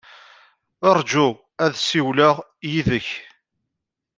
Ṛju ad ssiwleɣ yid-k.